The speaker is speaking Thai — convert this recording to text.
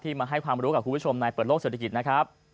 มาให้ความรู้กับคุณผู้ชมในเปิดโลกเศรษฐกิจนะครับ